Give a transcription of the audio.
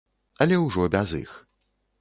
Але ўжо без іх.